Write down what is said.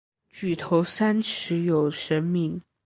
举头三尺有神明。